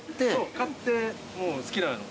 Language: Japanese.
買ってもう好きなのを。